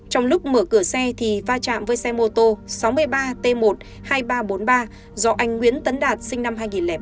trong lúc mở cửa xe thì va chạm với xe mô tô sáu mươi ba t một hai nghìn ba trăm bốn mươi ba do anh nguyễn tấn đạt sinh năm hai nghìn ba